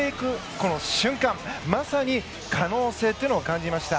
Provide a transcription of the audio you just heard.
この瞬間、まさに可能性というのを感じました。